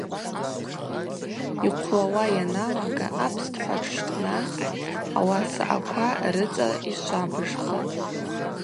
Йхъвлауа йаналага апстхӏва тшщтӏнаххтӏ, ауаса аква рыцӏа йшвабыжхатӏ.